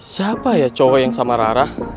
siapa ya cowok yang sama rara